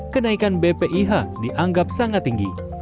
kenaikan bpih dianggap sangat tinggi